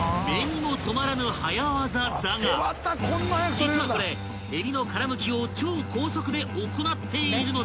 ［実はこれえびの殻むきを超高速で行っているのだ］